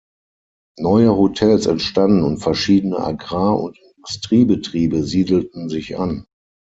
Neue Hotels entstanden und verschiedene Agrar- und Industriebetriebe siedelten sich an.